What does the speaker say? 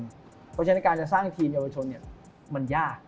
เพราะฉะนั้นการจะสร้างทีมเยาวชนมันยาก